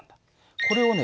これをね